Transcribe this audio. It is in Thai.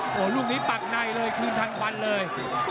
โอ้โหลูกนี้ปักในเลยคืนทันวันเลย